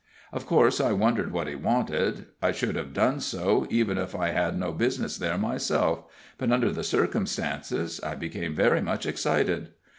Of course I wondered what he wanted; I should have done so, even if I had had no business there myself; but under the circumstances, I became very much excited.